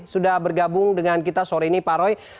sudah bergabung dengan kita sore ini pak roy